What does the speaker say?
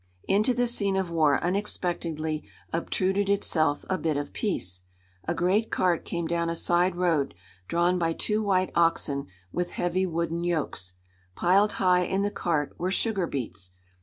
Into this scene of war unexpectedly obtruded itself a bit of peace. A great cart came down a side road, drawn by two white oxen with heavy wooden yokes. Piled high in the cart were sugar beets.